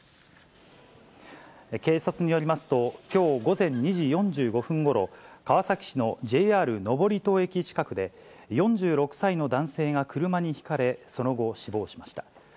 警察によりますと、きょう午前２時４５分ごろ、川崎市のＪＲ登戸駅近くで、４６歳の男性が車にひかれ、その後、死亡しました。